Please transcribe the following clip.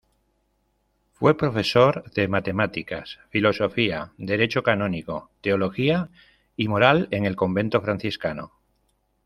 Fue profesor de matemáticas, filosofía, derecho canónico, teología y moral en el Convento franciscano.